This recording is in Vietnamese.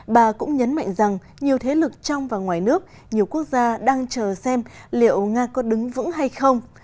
bà cũng nhấn mạnh rằng nhiều thế lực trong và ngoài nước nhiều quốc gia đang chờ xem liệu nga có đứng vững hay không